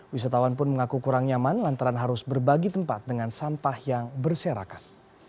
wisatawan pun mengaku kurang nyaman lantaran harus berbagi tempat dengan sampah yang berserakan